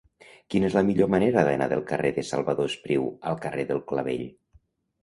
Quina és la millor manera d'anar del carrer de Salvador Espriu al carrer del Clavell?